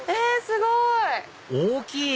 すごい。大きい！